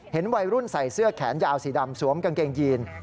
วัยรุ่นใส่เสื้อแขนยาวสีดำสวมกางเกงยีน